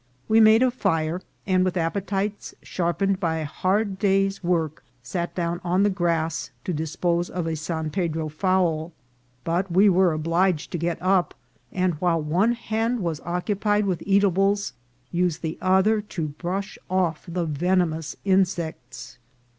We made a fire, and, with appetites sharpened by a hard day's work, sat down on the grass to dispose of a San Pedro fowl ; but we were obliged to get up, and while one hand was occupied with eatables, use the other to brush off the venomous insects.